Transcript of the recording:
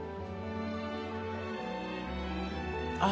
あ。